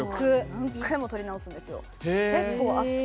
何回も撮り直すんですよ。